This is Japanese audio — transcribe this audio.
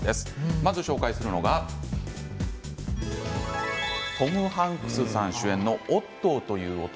まず、紹介するのはトム・ハンクスさん主演の「オットーという男」。